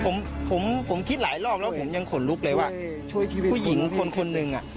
ผมผมคิดหลายรอบแล้วผมยังขนลุกเลยว่าผู้หญิงคนคนหนึ่งอ่ะ